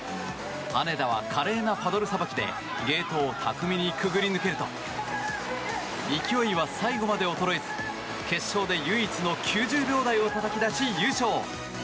羽根田は華麗なパドルさばきでゲートを巧みにくぐり抜けると勢いは最後まで衰えず決勝で唯一の９０秒台をたたき出し優勝。